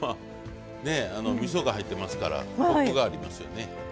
みそが入ってますからコクがありますよね。